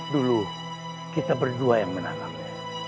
dulu kita berdua yang menanamnya